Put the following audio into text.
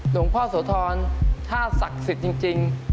หลวงพ่อโสธรถ้าศักดิ์สิทธิ์จริง